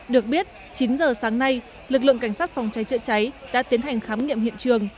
được biết chín giờ sáng nay lực lượng cảnh sát phòng cháy chữa cháy đã tiến hành khám nghiệm hiện trường